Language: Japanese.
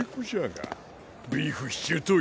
ビーフシチュート言